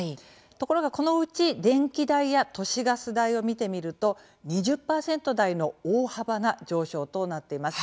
ところが、このうち電気代や都市ガス代を見てみると２０％台の大幅な上昇となっています。